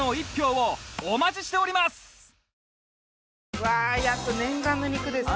うわーやっと念願の肉ですね。